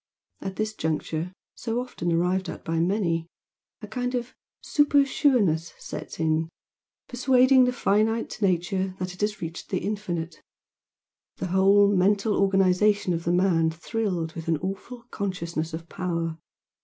At this juncture, so often arrived at by many, a kind of super sureness sets in, persuading the finite nature that it has reached the infinite. The whole mental organisation of the man thrilled with an awful consciousness of power.